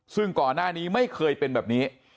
ซึ่งก่อนหน้านี้ไม่เคยเป็นแบบนี้